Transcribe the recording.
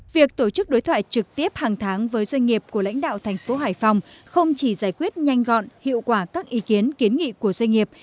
việc tổ chức đối thoại trực tiếp hàng tháng với doanh nghiệp của lãnh đạo thành phố hải phòng không chỉ giải quyết nhanh gọn hiệu quả các ý kiến kiến nghị của doanh nghiệp